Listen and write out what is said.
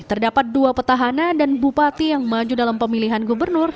terdapat dua petahana dan bupati yang maju dalam pemilihan gubernur